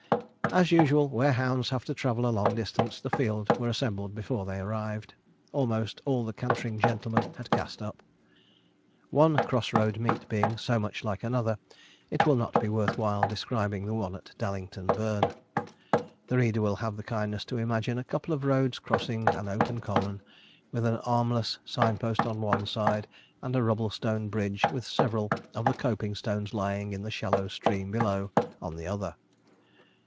As usual, where hounds have to travel a long distance, the field were assembled before they arrived. Almost all the cantering gentlemen had cast up. One cross road meet being so much like another, it will not be worth while describing the one at Dallington Burn. The reader will have the kindness to imagine a couple of roads crossing an open common, with an armless sign post on one side, and a rubble stone bridge, with several of the coping stones lying in the shallow stream below, on the other.